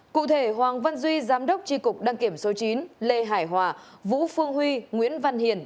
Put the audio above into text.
cụ thể hoàng văn duy giám đốc tri cục đăng kiểm số chín lê hải hòa vũ phương huy nguyễn văn hiền